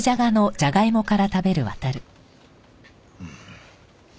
うん。